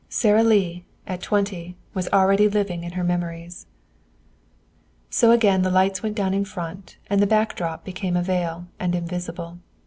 Sara Lee, at twenty, was already living in her memories. So again the lights went down in front, and the back drop became but a veil, and invisible.